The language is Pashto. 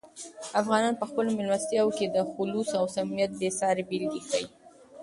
افغانان په خپلو مېلمستیاوو کې د "خلوص" او "صمیمیت" بې سارې بېلګې ښیي.